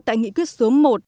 tại nghị quyết số một